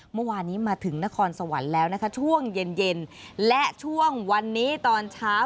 เมื่อวานนี้มาถึงนครสวรรค์แล้วนะคะช่วงเย็นเย็นและช่วงวันนี้ตอนเช้า